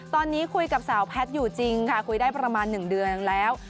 ตอนนี้คุยกับสาวแพทย์อยู่จริงค่ะคุยได้ประมาณ๑เดือนแล้ว